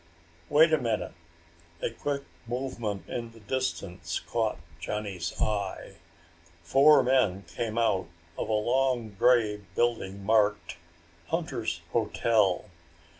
"Wait a minute." A quick movement in the distance caught Johnny's eye. Four men came out of a long grey building marked Hunters Hotel.